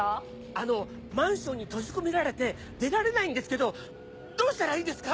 あのマンションに閉じ込められて出られないんですけどどうしたらいいですか？